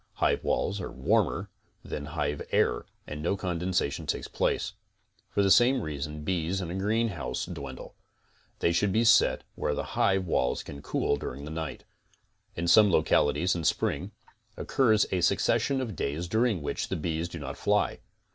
Hive walls are warmer than hive air and no condensation takes place. For the same reason bees in a greenhouse dwindle. They should be set where the hive walls can cool during the night. In some loclaities in spring, occurs a succession of days dur ing which the bees do not fly.